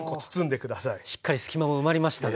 しっかり隙間も埋まりましたね。